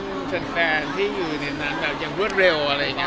เพื่อนแฟนที่อยู่ในนั้นแบบยังรวดเร็ว